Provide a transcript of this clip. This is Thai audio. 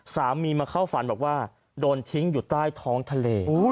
สามีมาเข้าฝันบอกว่าโดนทิ้งอยู่ใต้ท้องทะเล